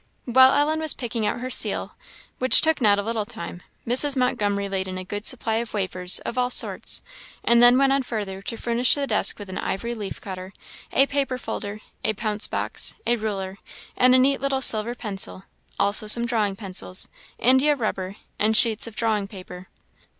While Ellen was picking out her seal, which took not a little time, Mrs. Montgomery laid in a good supply of wafers of all sorts; and then went on further to furnish the desk with an ivory leaf cutter, a paper folder, a pounce box, a ruler, and a neat little silver pencil; also some drawing pencils, India rubber, and sheets of drawing paper.